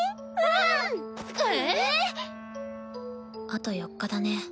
あと４日だね。